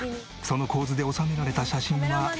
その構図で収められた写真はいまだゼロ。